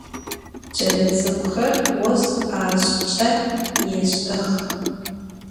Ç'elets'ık'uxer vos 'aşşç'e yêş'ex.